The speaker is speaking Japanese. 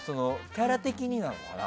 キャラ的になのかな？